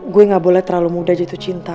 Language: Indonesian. gue ga boleh terlalu mudah jatuh cinta